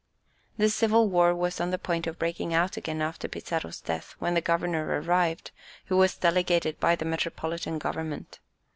The civil war was on the point of breaking out again after Pizarro's death when the governor arrived, who was delegated by the metropolitan government.